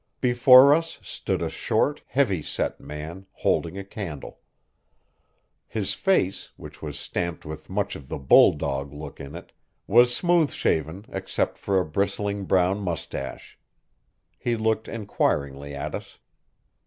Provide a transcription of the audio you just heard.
Before us stood a short, heavy set man, holding a candle. His face, which was stamped with much of the bulldog look in it, was smooth shaven except for a bristling brown mustache. He looked inquiringly at us.